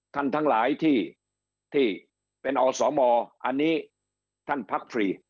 ทั้งหลายที่เป็นอสมอันนี้ท่านพักฟรี